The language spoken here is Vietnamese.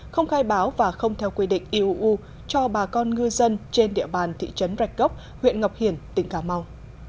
không khai báo và không theo quy định iuu cho bà con ngư dân trên địa bàn thị trấn rạch gốc huyện ngọc hiển tỉnh cà mau